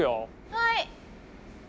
はい！